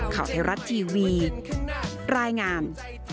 ข่าวไทยรัฐทีวีรายงาน